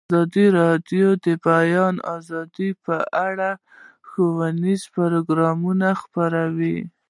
ازادي راډیو د د بیان آزادي په اړه ښوونیز پروګرامونه خپاره کړي.